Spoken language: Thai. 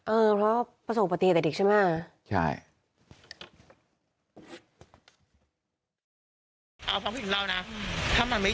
เออเพราะว่าประสงค์ปฏิแห่งแต่ดิกใช่ไหม